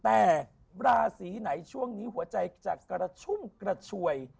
แต่ราศีไหนช่วงนี้หัวใจจะกระชุ่มกระชวย